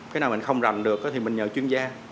cái nào mình không rành được thì mình nhờ chuyên gia